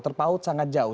terpaut sangat jauh